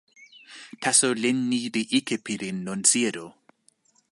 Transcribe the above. taso len ni li ike pilin lon sijelo.